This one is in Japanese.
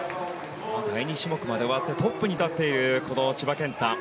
第２種目まで終わってトップに立っている千葉健太。